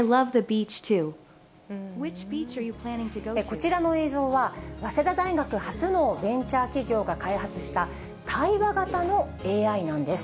こちらの映像は、早稲田大学発のベンチャー企業が開発した、対話型のＡＩなんです。